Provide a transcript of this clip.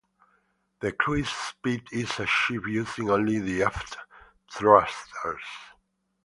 The cruise speed is achieved using only the aft thrusters.